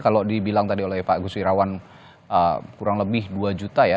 kalau dibilang tadi oleh pak gus wirawan kurang lebih dua juta ya